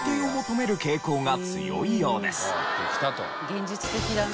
現実的だな。